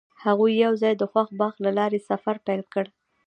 هغوی یوځای د خوښ باغ له لارې سفر پیل کړ.